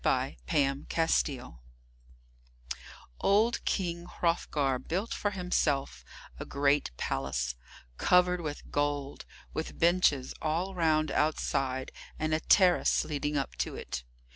] CHAPTER II BEOWULF Old King Hrothgar built for himself a great palace, covered with gold, with benches all round outside, and a terrace leading up to it.